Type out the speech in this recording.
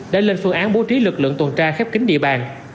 đã lên phương án bố trí lực lượng tuần tra khép kính địa bàn